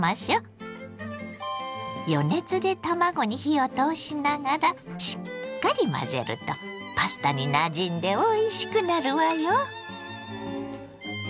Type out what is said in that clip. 余熱で卵に火を通しながらしっかり混ぜるとパスタになじんでおいしくなるわよ。